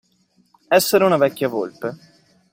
Essere una vecchia volpe.